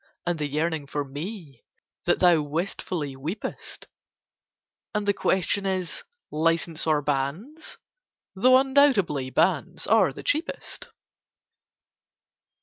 And the yearning for ME That thou wistfully weepest! And the question is 'License or Banns?', though undoubtedly Banns are the cheapest."